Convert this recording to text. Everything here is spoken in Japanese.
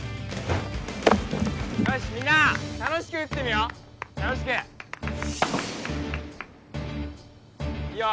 よしみんな楽しく打ってみよう楽しくいいよ